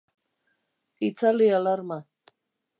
Itzali alarma.